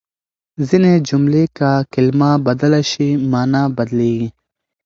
ځينې جملې که کلمه بدله شي، مانا بدلېږي.